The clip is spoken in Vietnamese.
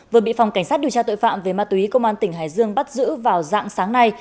vừa bị phòng cảnh sát điều tra tội phạm về ma túy công an tỉnh hải dương bắt giữ vào dạng sáng nay